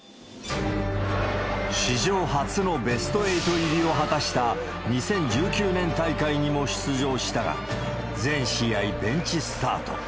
史上初のベスト８入りを果たした２０１９年大会にも出場したが、全試合ベンチスタート。